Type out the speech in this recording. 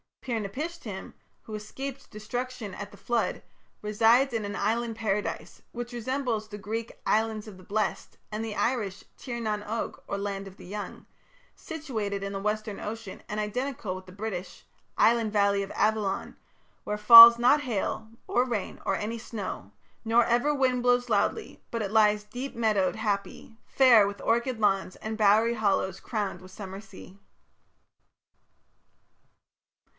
Pir napishtim, who escaped destruction at the Flood, resides in an Island Paradise, which resembles the Greek "Islands of the Blessed", and the Irish "Tir nan og" or "Land of the Young", situated in the western ocean, and identical with the British island valley of Avilion, Where falls not hail, or rain, or any snow, Nor ever wind blows loudly, but it lies Deep meadow'd, happy, fair with orchard lawns And bowery hollows crowned with summer sea.